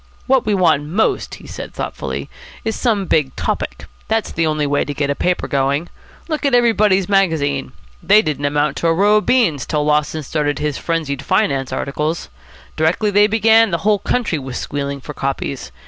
"What we want most," he said thoughtfully, "is some big topic. That's the only way to get a paper going. Look at Everybody's Magazine. They didn't amount to a row of beans till Lawson started his 'Frenzied Finance' articles. Directly they began, the whole country was squealing for copies.